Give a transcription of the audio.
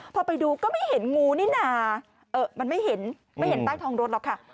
พอไปดูก็ไม่เห็นงูนี่นามันไม่เห็นไม่เห็นใต้ท้องรถหรอกค่ะ